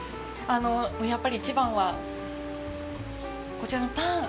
やっぱり一番は、こちらのパン？